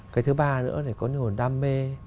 cái thứ ba nữa là có những nguồn đam mê